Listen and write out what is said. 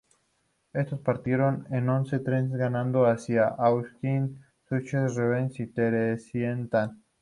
Estos partieron en once trenes de ganado hacia Auschwitz, Sachsenhausen, Ravensbrück y Theresienstadt.